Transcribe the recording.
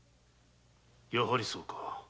やはりそうか。